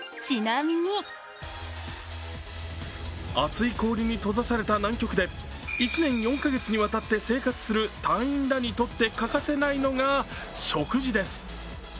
厚い氷に閉ざされた南極で１年４か月にわたって生活する隊員らにとって欠かせないのが食事です。